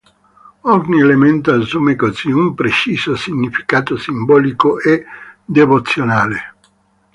Ogni elemento assume così un preciso significato simbolico e devozionale.